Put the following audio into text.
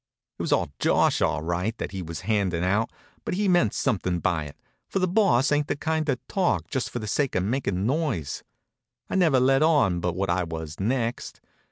It was a josh, all right, that he was handin' out, but he meant somethin' by it, for the Boss ain't the kind to talk just for the sake of making a noise. I never let on but what I was next.